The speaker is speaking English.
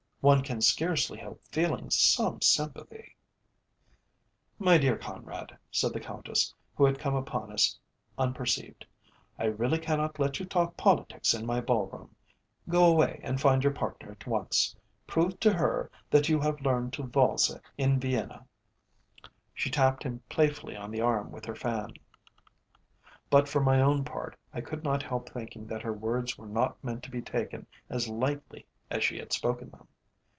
"One can scarcely help feeling some sympathy " "My dear Conrad," said the Countess, who had come upon us unperceived, "I really cannot let you talk politics in my ball room. Go away and find your partner at once. Prove to her that you have learned to valse in Vienna." She tapped him playfully on the arm with her fan, but for my own part I could not help thinking that her words were not meant to be taken as lightly as she had spoken them.